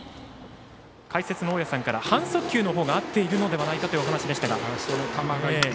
解説の大矢さんから半速球のほうが合っているというお話でした。